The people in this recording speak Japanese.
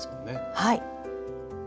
はい。